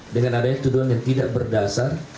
dengan adanya tuduhan yang tidak berdasar